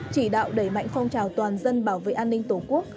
chỉ đạo đẩy mạnh phong trào toàn dân bảo vệ an ninh tổ quốc